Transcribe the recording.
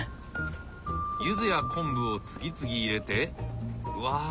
ゆずや昆布を次々入れてうわ